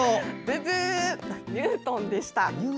ブー、ニュートンでした。